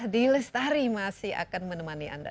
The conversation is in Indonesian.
d'lestari masih akan menemani anda